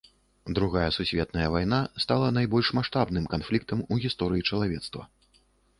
Другая сусветная вайна стала найбольш маштабным канфліктам у гісторыі чалавецтва.